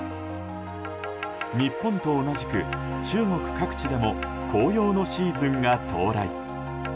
日本と同じく、中国各地でも紅葉のシーズンが到来。